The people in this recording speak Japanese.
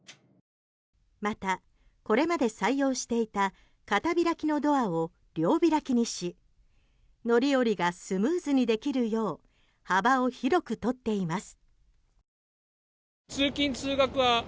またこれまで採用していた片開きのドアを両開きにし乗り降りがスムーズにできるよう幅を広く取っています。